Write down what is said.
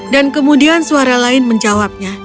dan kemudian suara lain menjawabnya